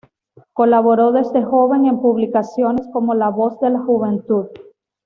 Colaboró desde joven en publicaciones como La Voz de la Juventud.